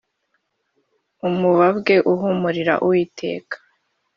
umubabwe uhumurira Uwiteka